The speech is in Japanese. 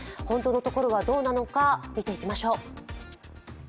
本当のところはどうなのか見ていきましょう。